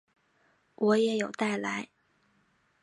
我也有带来